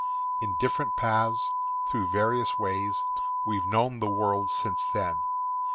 In different paths, through various ways, we've known the world since then.